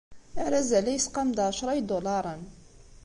Arazal-a yesqam-d ɛecṛa n yidulaṛen.